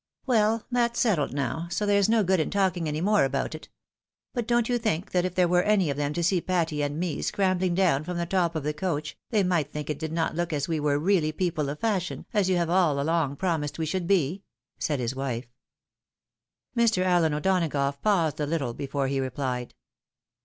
" Well ! that's settled now, so there is no good in talking any more about it. But don't you think that if they were any of them to see Patty and me scrambling down from the top of the coach, they might think it did not look as if we were really people of fashion, as you have aU along promised weshould be ?" said his wife. Mr. Allen O'Donagough paused a little before he replied.